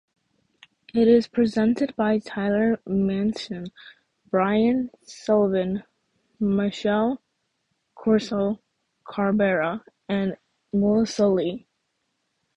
It is presented by Tyler Mathisen, Brian Sullivan, Michelle Caruso-Cabrera and Melissa Lee.